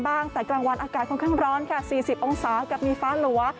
ตั้งแต่กลางวันอากาศค่อนข้างร้อนค่ะ๔๐องศากับมีฟ้าหลัว